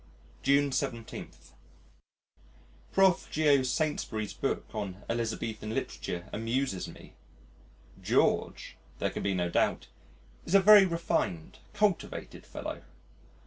June 17. Prof. Geo. Saintsbury's book on Elizabethan literature amuses me. George, there can be no doubt, is a very refined, cultivated fellow.